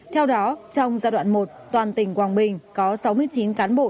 theo đó trong giai đoạn một toàn tỉnh quảng bình có sáu mươi chín cán bộ